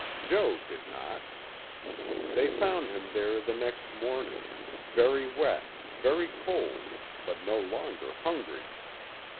Jo did not. They found him there the next morning, very wet, very cold, but no longer hungry.